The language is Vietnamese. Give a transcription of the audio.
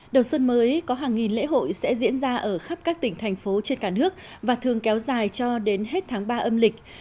đầu xuân mới có hàng nghìn lễ hội sẽ diễn ra ở khắp các tỉnh thành phố trên cả nước và thường kéo dài cho đến hết tháng ba âm lịch